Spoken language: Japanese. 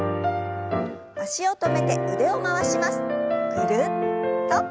ぐるっと。